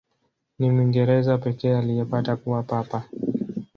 Ni Mwingereza pekee aliyepata kuwa Papa.